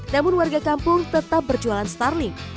namun warga kampung tetap berjualan starling